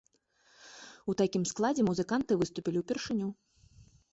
У такім складзе музыканты выступілі ўпершыню.